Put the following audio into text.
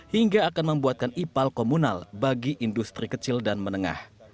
hingga akan membuatkan ipal komunal bagi industri kecil dan menengah